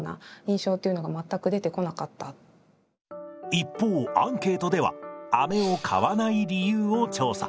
一方アンケートではアメを買わない理由を調査。